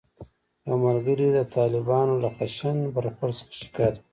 یو ملګري د طالبانو له خشن برخورد څخه شکایت وکړ.